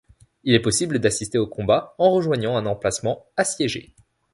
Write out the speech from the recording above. Il est possible d’assister aux combats en rejoignant un emplacement assiégé.